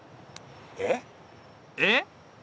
えっ？えっ？